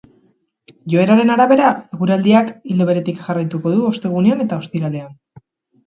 Joeraren arabera, eguraldiak ildo beretik jarraituko du ostegunean eta ostiralean.